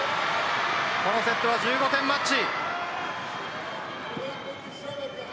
このセットは１５点マッチ。